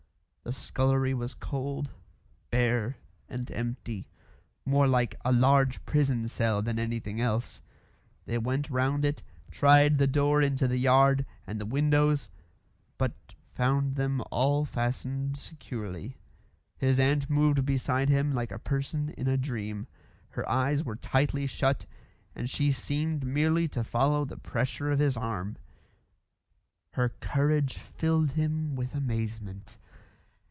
The scullery was cold, bare, and empty; more like a large prison cell than anything else. They went round it, tried the door into the yard, and the windows, but found them all fastened securely. His aunt moved beside him like a person in a dream. Her eyes were tightly shut, and she seemed merely to follow the pressure of his arm. Her courage filled him with amazement.